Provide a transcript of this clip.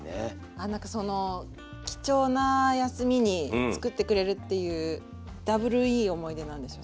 あ何かその貴重な休みに作ってくれるっていうダブルいい思い出なんでしょうね。